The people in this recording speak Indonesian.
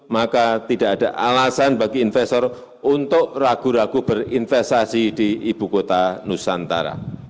maka tidak ada alasan bagi investor untuk ragu ragu berinvestasi di ibu kota nusantara